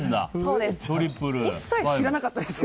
一切知らなかったです。